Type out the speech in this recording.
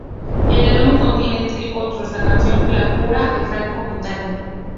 El álbum contiene, entre otros, la canción "La cura" de Franco Battiato.